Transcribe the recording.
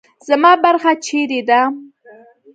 زما برخه چیرې ده؟